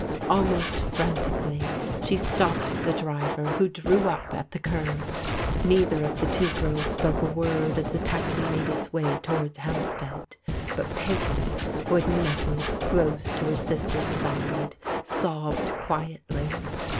Almost frantically she stopped the driver, who drew up at the curb. Neither of the two girls spoke a word as the taxi made its way towards Hampstead, but Peggy, who had nestled close to her sister's side, sobbed quietly.